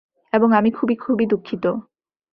এবং আমি খুবই খুবই দুঃখিত।